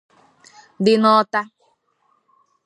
dị n'Ọta